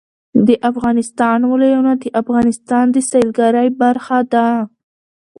د افغانستان ولايتونه د افغانستان د سیلګرۍ برخه ده.